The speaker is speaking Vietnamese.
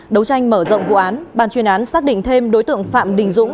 đấu tranh mở rộng vụ án ban chuyên án xác định thêm đối tượng phạm đình dũng